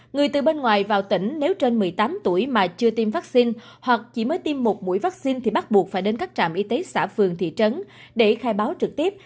người từ bên ngoài vào tỉnh nếu trên một mươi tám tuổi mà chưa tiêm vaccine hoặc chỉ mới tiêm một mũi vaccine thì bắt buộc phải đến các trạm y tế xã phường thị trấn để khai báo trực tiếp